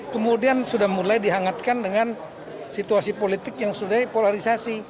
kemudian sudah mulai dihangatkan dengan situasi politik yang sudah polarisasi